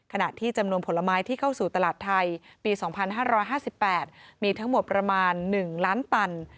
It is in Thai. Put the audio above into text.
ขณะที่จำนวนผลไม้ที่เข้าสู่ตลาดไทยปี๒๕๕๘มีทั้งหมดประมาณ๑ล้านตัน